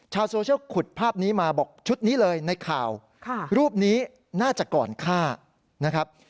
ชาวโซเชียลขุดภาพนี้มาบอกชุดนี้เลยในข่าวรูปนี้น่าจะก่อนฆ่านะครับ